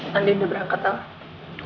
tadi udah berangkat tau